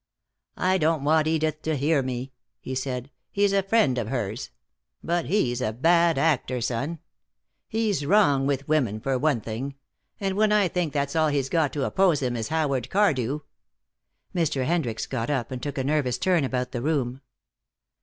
"I don't want Edith to hear me," he said. "He's a friend of hers. But he's a bad actor, son. He's wrong with women, for one thing, and when I think that all he's got to oppose him is Howard Cardew " Mr. Hendricks got up, and took a nervous turn about the room.